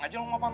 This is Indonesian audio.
jangan lupa smb